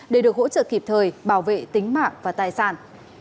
để được hỗ trợ kịp thời bảo vệ tính mạng và tài sản